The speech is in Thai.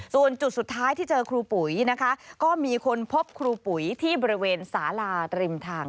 ส่วนจุดสุดท้ายที่เจอครูปุ๋ยนะคะก็มีคนพบครูปุ๋ยที่บริเวณสาลาริมทาง